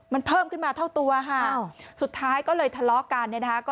มันเพิ่มขึ้นมาเท่าตัวสุดท้ายก็เลยทะเลาะกัน